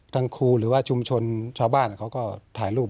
ทั้งคุณหรือว่าชุมชนช้าบ้านเขาก็ถ่ายรูป